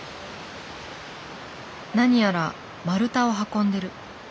何やら丸太を運んでる。